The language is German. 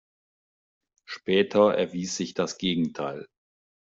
Später erwies sich das Gegenteil.